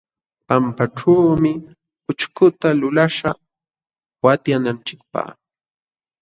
Pampaćhuumi ućhkuta lulaśhaq watyananchikpaq.